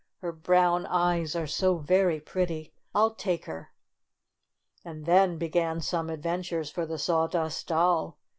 Her brown eyes are so very pretty. I'll take her." And then began some adventures for the Sawdust Doll.